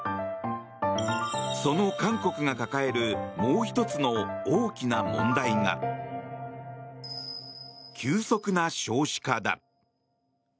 その韓国が抱えるもう１つの大きな問題が急速な少子化だ。